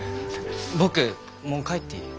僕もう帰っていい？